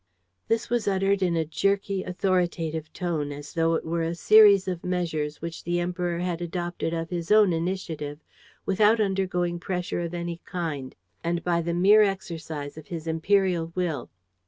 This was uttered in a jerky, authoritative tone, as though it were a series of measures which the Emperor had adopted of his own initiative, without undergoing pressure of any kind and by the mere exercise of his imperial will.